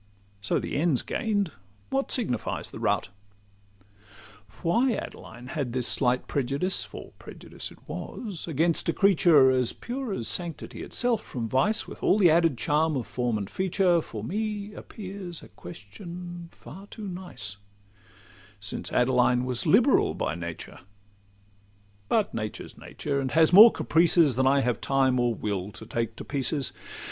So the end 's gain'd, what signifies the route? Why Adeline had this slight prejudice— For prejudice it was—against a creature As pure as sanctity itself from vice, With all the added charm of form and feature, For me appears a question far too nice, Since Adeline was liberal by nature; But nature 's nature, and has more caprices Than I have time, or will, to take to pieces.